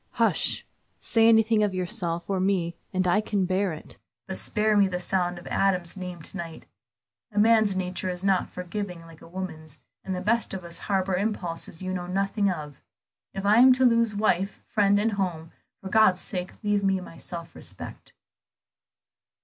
"Hush! Say anything of yourself or me, and I can bear it, but spare me the sound of Adam's name to night. A man's nature is not forgiving like a woman's, and the best of us harbor impulses you know nothing of. If I am to lose wife, friend, and home, for God's sake leave me my self respect."